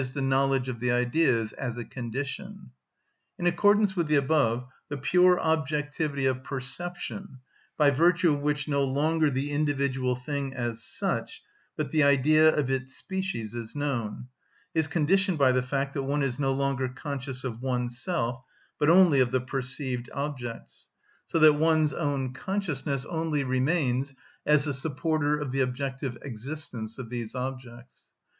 _, the knowledge of the Ideas, as a condition. In accordance with the above, the pure objectivity of perception, by virtue of which no longer the individual thing as such, but the Idea of its species is known, is conditioned by the fact that one is no longer conscious of oneself, but only of the perceived objects, so that one's own consciousness only remains as the supporter of the objective existence of these objects.